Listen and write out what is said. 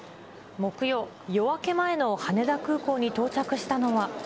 木曜、夜明け前の羽田空港に到着したのは。